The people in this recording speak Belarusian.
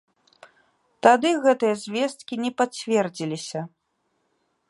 Тады гэтыя звесткі не пацвердзіліся.